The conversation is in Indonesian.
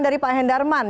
dari pak hendarman